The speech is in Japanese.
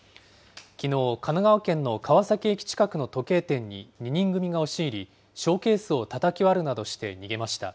きのう、神奈川県の川崎駅近くの時計店に２人組が押し入り、ショーケースをたたき割るなどして逃げました。